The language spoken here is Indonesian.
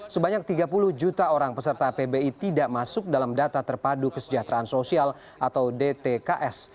sebanyak tiga puluh juta orang peserta pbi tidak masuk dalam data terpadu kesejahteraan sosial atau dtks